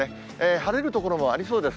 晴れる所もありそうです。